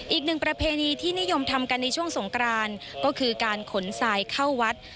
อีกหนึ่งประเพณีที่นิยมทำกันในช่วงสงกรานก็คือการขนทรายเข้าวัด